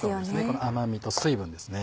この甘みと水分ですね。